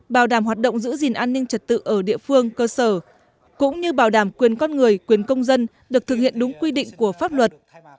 bảo đảm hoạt động giữ gìn an ninh trật tự ở địa phương cơ sở cũng như bảo đảm quyền con người quyền công dân được thực hiện đúng quy định của pháp luật